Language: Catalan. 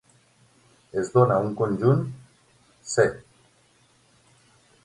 Es dona un conjunt "C".